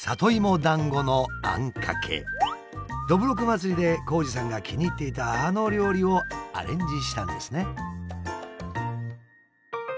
どぶろく祭りで紘二さんが気に入っていたあの料理をアレンジしたんですね。